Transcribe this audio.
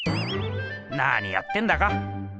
何やってんだか。